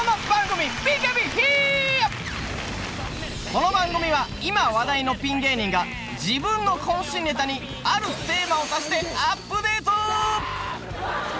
この番組は今話題のピン芸人が自分の渾身ネタにあるテーマを足してアップデート。